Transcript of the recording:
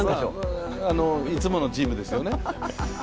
いつものチームですよね？